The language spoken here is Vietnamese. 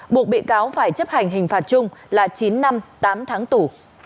buộc bị cáo phải chấp hành hình phạt chung là chín năm tám tháng tù